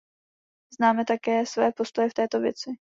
Známe také své postoje v této věci.